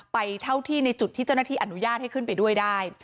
ไปเท่าที่ในจุดที่เจ้าหน้าที่อนุญาตให้ขึ้นไปด้วยได้